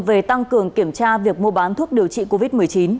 về tăng cường kiểm tra việc mua bán thuốc điều trị covid một mươi chín